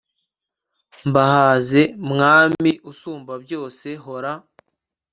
mbahaze mwami usumba byose hora